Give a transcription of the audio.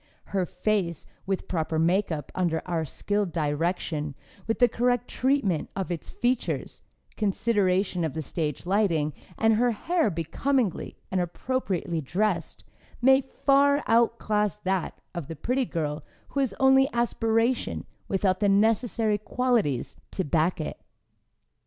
Her face, with proper makeup under our skilled direction, with the correct treatment of its features, consideration of the stage lighting, and her hair becomingly and appropriately dressed, may far outclass that of the pretty girl who has only aspiration without the necessary qualities to back it.